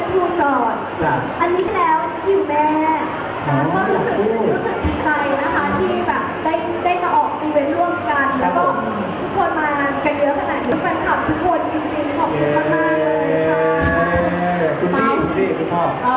คุณพี่คุณพ่อ